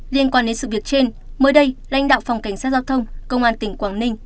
liên quan đến sự việc trên mới đây lãnh đạo phòng cảnh sát giao thông công an tỉnh quảng ninh